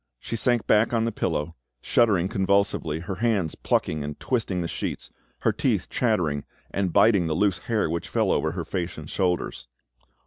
She sank back on the pillow, shuddering convulsively, her hands plucking and twisting the sheets, her teeth chattering and biting the loose hair which fell over her face and shoulders.